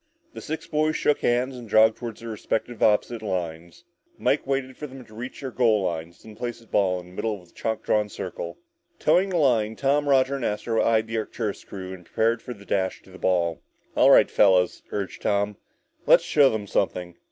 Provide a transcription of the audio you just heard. The six boys shook hands and jogged toward respective opposite lines. Mike waited for them to reach their goal lines, and then placed the ball in the middle of a chalk drawn circle. Toeing the line, Tom, Roger and Astro eyed the Arcturus crew and prepared for the dash to the ball. "All right, fellas," urged Tom, "let's show them something!"